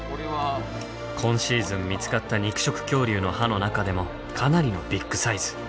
今シーズン見つかった肉食恐竜の歯の中でもかなりのビッグサイズ。